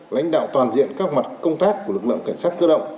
lãnh đạo toàn diện các mặt công tác của lực lượng cảnh sát cơ động